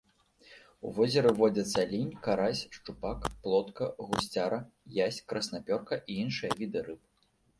У возеры водзяцца лінь, карась, шчупак, плотка, гусцяра, язь, краснапёрка і іншыя віды рыб.